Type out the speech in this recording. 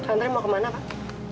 andre mau kemana pak